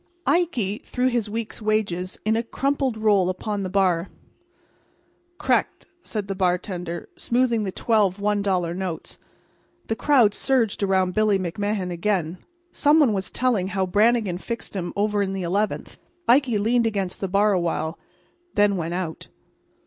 Ikey threw his week's wages in a crumpled roll upon the bar. "C'rect," said the bartender, smoothing the twelve one dollar notes. The crowd surged around Billy McMahan again. Some one was telling how Brannigan fixed 'em over in the Eleventh. Ikey leaned against the bar a while, and then went out.